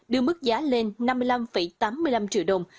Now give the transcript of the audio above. đưa mức giá lên năm mươi năm tám mươi năm triệu đồng